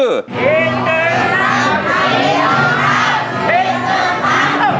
พิดหนึ่งคำพิดหนึ่งคำ